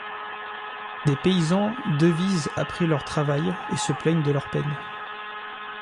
Des paysans devisent après leur travail et se plaignent de leur peine.